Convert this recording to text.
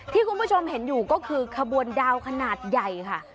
ที่คุณผู้ชมเห็นอยู่ก็คือขบวนดาวขนาดใหญ่ค่ะ